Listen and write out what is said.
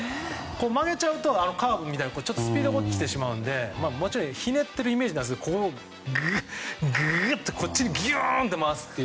曲げちゃうとカーブみたいにスピードが落ちてしまうのでひねっているイメージなんですがぐぐっとこっちにギュンと回すという。